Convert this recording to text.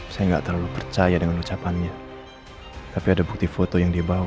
saya nggak terlalu percaya dengan ucapannya tapi ada bukti foto yang dia bawa